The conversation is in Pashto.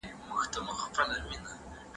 غدار دواړو ته او دوی غدار ته غله وه